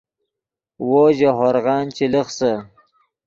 وو ژے ہورغن چے لخسے